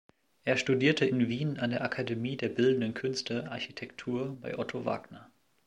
Er studierte in Wien an der Akademie der bildenden Künste Architektur bei Otto Wagner.